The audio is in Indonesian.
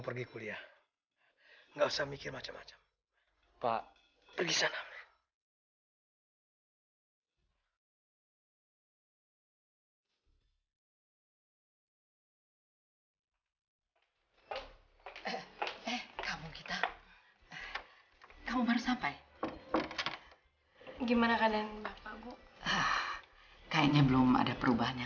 begitu gw tatap matanya